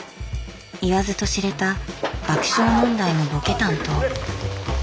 言わずと知れた爆笑問題のボケ担当。